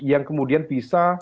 yang kemudian bisa